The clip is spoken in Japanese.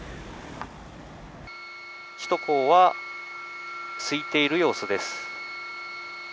首都高はすいている様子です。